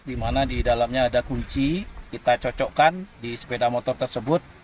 di mana di dalamnya ada kunci kita cocokkan di sepeda motor tersebut